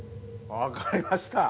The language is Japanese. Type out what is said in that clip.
分かりました。